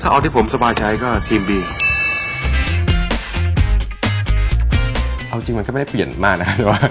เอาจริงมันก็ไม่ได้เปลี่ยนมากนะครับ